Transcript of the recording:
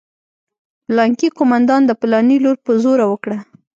پلانکي قومندان د پلاني لور په زوره وکړه.